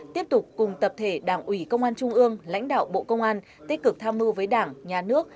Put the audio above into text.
tiếp tục cùng tập thể đảng ủy công an trung ương lãnh đạo bộ công an tích cực tham mưu với đảng nhà nước